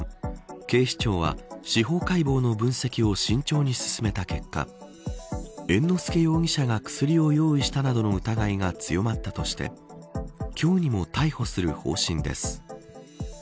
警視庁は司法解剖の分析を慎重に進めた結果猿之助容疑者が薬を用意したなどの疑いが強まったとして今日にも逮捕する方針です。